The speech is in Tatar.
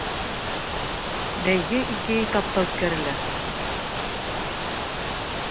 Бәйге ике этапта үткәрелә.